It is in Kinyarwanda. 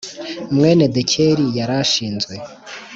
Mwene dekeri yari ashinzwe